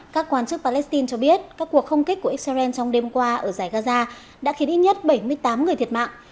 các quan chức palestine cho biết các cuộc không kích của israel trong đêm qua ở giải gaza đã khiến ít nhất bảy mươi tám người thiệt mạng